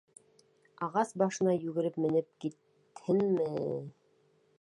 Ағас башына йүгереп менеп китҺенме?